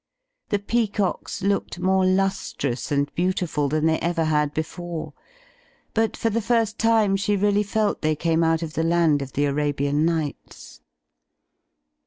The peacocks looked more lustrous and beautiful than they ever had before; but for the first time she really felt they came out of the land of the Arabian Nights.